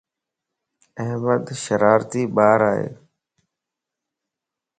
احمد شرارتي ٻار ائي